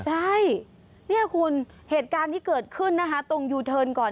ใช่เนี่ยคุณเหตุการณ์ที่เกิดขึ้นนะคะตรงยูเทิร์นก่อน